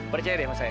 percaya deh sama saya